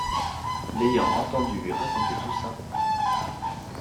L’ayant entendu lui raconter tout ça